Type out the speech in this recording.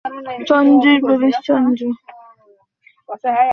চন্দ্রের প্রবেশ চন্দ্র।